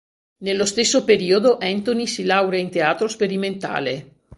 Nello stesso periodo Antony si laurea in Teatro Sperimentale.